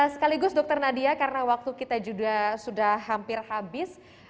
sekaligus dr nadia karena waktu kita juga sudah hampir habis